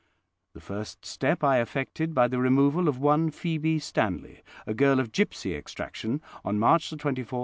The first step I effected by the removal of one Phoebe Stanley, a girl of gipsy extraction, on March 24, 1792.